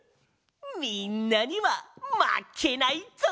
みんなにはまけないぞ！